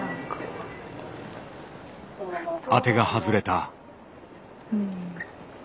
当てが外れた。